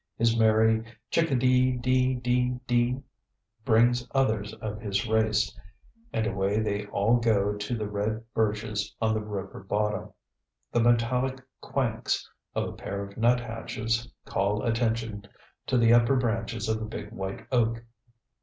His merry "chick a dee dee dee dee" brings others of his race, and away they all go down to the red birches on the river bottom. The metallic quanks of a pair of nuthatches call attention to the upper branches of a big white oak.